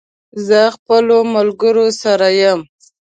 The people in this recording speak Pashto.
زه خپلو ملګرو سره یم